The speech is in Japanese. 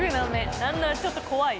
なんならちょっと怖い。